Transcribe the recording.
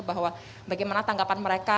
bahwa bagaimana tanggapan mereka